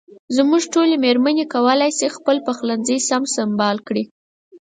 زموږ ټولې مېرمنې کولای شي خپل پخلنځي سم سنبال کړي.